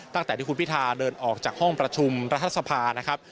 ตั้งแต่ที่คุณพิธาเดินออกจากห้องประชุมรัฐสภานะครับ